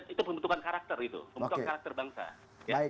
itu pembentukan karakter itu pembentukan karakter bangsa